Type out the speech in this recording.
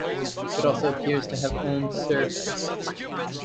It also appears to have owned serfs.